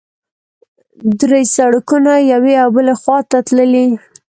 درې سړکونه یوې او بلې خوا ته تللي.